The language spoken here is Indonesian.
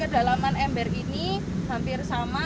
kedalaman ember ini hampir sama